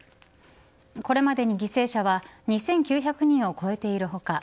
これまでに犠牲者は２９００人を超えている他